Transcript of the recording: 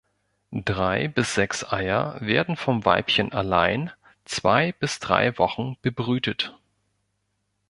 Drei bis sechs Eier werden vom Weibchen allein zwei bis drei Wochen bebrütet.